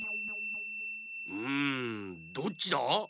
うんどっちだ？